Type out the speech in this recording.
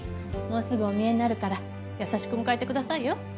もうすぐお見えになるから優しく迎えてくださいよ。